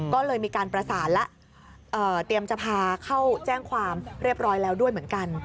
ก็เลยมีการประสานแล้วเตรียมจะพาเข้าแจ้งความเรียบร้อยแล้วด้วยเหมือนกัน